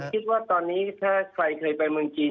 คิดว่าตอนนี้ถ้าใครเคยไปเมืองจีน